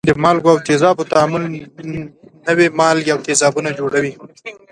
د مالګو او تیزابو تعامل نوي مالګې او تیزابونه جوړوي.